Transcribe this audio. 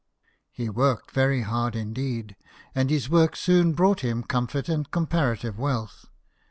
He worked very hard indeed, and his work soon brought him comfort and comparative wealth.